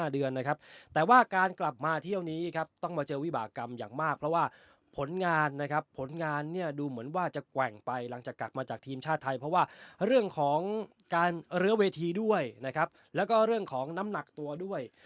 แต่ว่าการกลับมาเที่ยวนี้ครับต้องมาเจอวิบากรรมอย่างมากเพราะว่าผลงานนะครับผลงานเนี่ยดูเหมือนว่าจะแกว่งไปหลังจากกลับมาจากทีมชาติไทยเพราะว่าเรื่องของการลื้อเวทีด้วยนะครับแล้วก็เรื่องของน้ำหนักตัวด้วย